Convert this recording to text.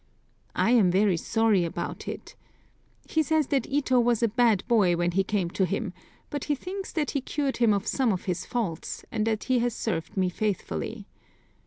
I am very sorry about it. He says that Ito was a bad boy when he came to him, but he thinks that he cured him of some of his faults, and that he has served me faithfully.